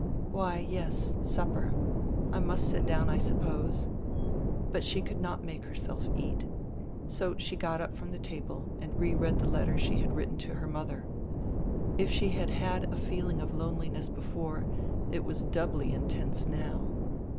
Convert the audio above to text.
"Why, yes, supper. I must sit down, I suppose." But she could not make her self eat. So she got up from the tahle and reread the letter she had written to her mother. If she had had a feeling of loneliness before, it was doubly intense now.